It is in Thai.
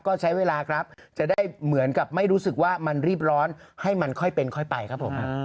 ก็ใช้เวลาครับจะได้เหมือนกับไม่รู้สึกว่ามันรีบร้อนให้มันค่อยเป็นค่อยไปครับผม